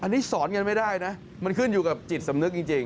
อันนี้สอนกันไม่ได้นะมันขึ้นอยู่กับจิตสำนึกจริง